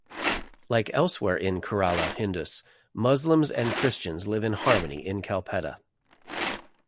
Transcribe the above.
Like elsewhere in Kerala, Hindus, Muslims and Christians live in harmony in Kalpetta.